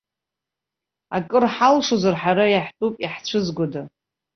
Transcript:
Акыр ҳалшозар, ҳара иаҳтәуп, иаҳцәызгода.